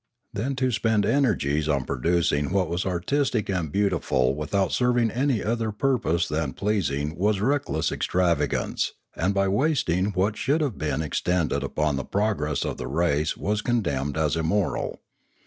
Then to spend energies on producing what was artistic and beautiful without serving any other purpose than pleas ing was reckless extravagance, and by wasting what should have been expended upon the progress of the race was condemned as immoral.